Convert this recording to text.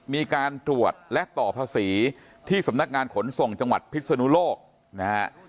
มีการตรวจและต่อภาษีที่สำนักงานขนส่งจังหวัดพิศนุโลกนะฮะ